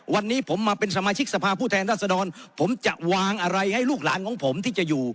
วันนี้ผมมาเป็นสมาชิกสภาพผู้แทนรัศดรผมจะวางอะไรให้ลูกหลานของผมที่จะอยู่